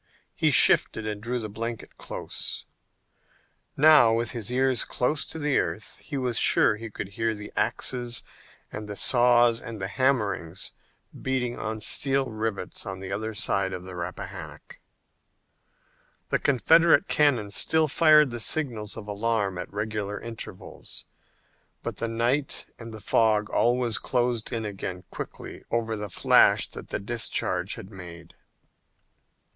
He shivered and drew the blanket close. Now, with his ears close to the earth, he was sure that he could hear the axes and the saws and the hammers beating on steel rivets on the other side of the Rappahannock. The Confederate cannon still fired the signals of alarm at regular intervals, but the night and the fog always closed in again quickly over the flash that the discharge had made.